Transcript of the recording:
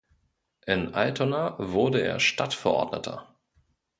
In Altona wurde er Stadtverordneter.